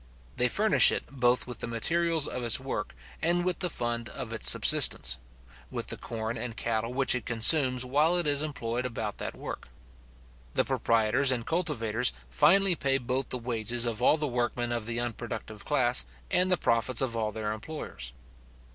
They furnish it both with the materials of its work, and with the fund of its subsistence, with the corn and cattle which it consumes while it is employed about that work. The proprietors and cultivators finally pay both the wages of all the workmen of the unproductive class, and the profits of all their employers.